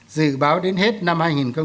dự báo đến hết năm hai nghìn một mươi sáu